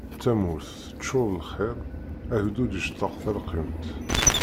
Tamurt teččur d lxiṛ agdud yectaq talqimt.